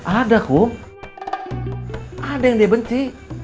ada kok ada yang dia benci